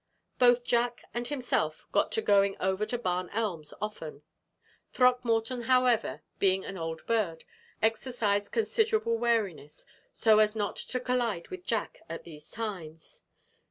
Both Jack and himself got to going over to Barn Elms often; Throckmorton, however, being an old bird, exercised considerable wariness, so as not to collide with Jack at these times.